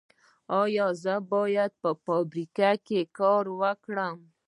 ایا زه باید په فابریکه کې کار وکړم؟